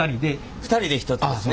２人で１つですね。